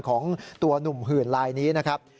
ของตัวหนุ่มหื่นลายนี้นะครับ